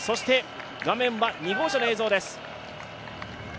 画面は２号車の映像です。